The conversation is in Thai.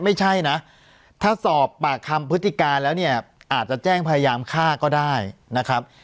ไม่ใช่นะถ้าสอบปากคำพฤติการแล้วเนี่ยอาจจะแจ้งพยายามฆ่าก็ได้นะครับ